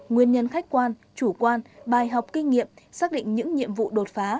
nguyên nhân khách quan chủ quan bài học kinh nghiệm xác định những nhiệm vụ đột phá